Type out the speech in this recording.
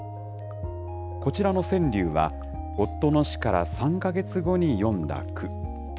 こちらの川柳は、夫の死から３か月後に詠んだ句。